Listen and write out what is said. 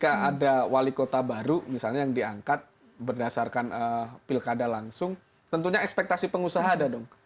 karena ketika ada wali kota baru misalnya yang diangkat berdasarkan pilkada langsung tentunya ekspektasi pengusaha ada dong